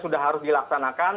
sudah harus dilaksanakan